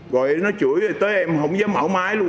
rồi nó chửi tới em không dám mở máy luôn